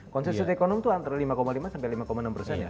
konsensus ekonomi itu antara lima lima sampai lima enam persen ya